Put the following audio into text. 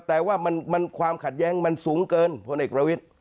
แต่ว่าความขัดแย้งมันสูงเกินพลเอกประวิทธิ